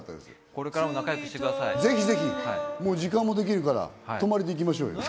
これからも仲良くしてくださ時間もできるから、泊まりで行きましょう。